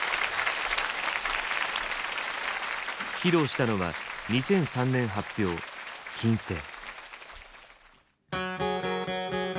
披露したのは２００３年発表「金星」。